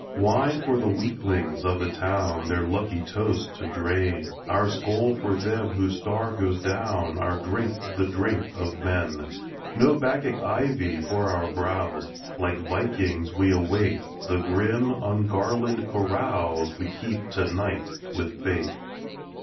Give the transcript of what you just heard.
Wine for the weaklings of the town, Their lucky toasts to drain! Our skoal for them whose star goes down, Our drink the drink of men! No Bacchic ivy for our brows! Like vikings, we await The grim, ungarlanded carouse We keep to night with Fate.